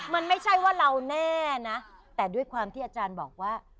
มันไม่ใช่ว่าเราแน่นะแต่ด้วยความที่อาจารย์บอกว่า